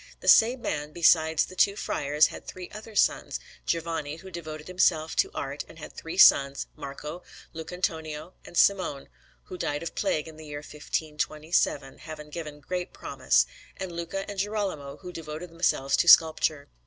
The same man, besides the said two friars, had three other sons: Giovanni, who devoted himself to art and had three sons, Marco, Lucantonio, and Simone, who died of plague in the year 1527, having given great promise; and Luca and Girolamo, who devoted themselves to sculpture.